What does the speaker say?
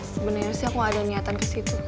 sebenarnya sih aku ada niatan ke situ